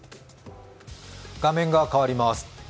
画面が変わります。